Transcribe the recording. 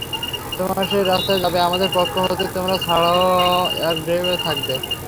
তোমার সেই রাস্তায় যাবে আমাদের পক্ষ হতে তোমরা ছাড়া এক ড্রাইভার থাকবে।